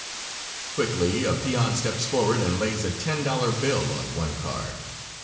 Quickly a peon steps forward and lays a $10 bill on one card.